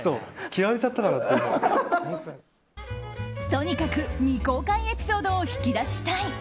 とにかく未公開エピソードを引き出したい。